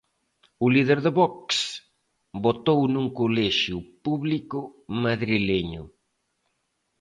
O líder de Vox votou nun colexio público madrileño.